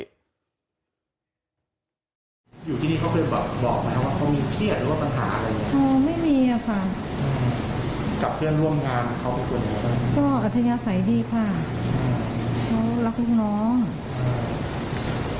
กลับพนักบ้านอยู่พนักแล้วกันแค่ไปยินกลับ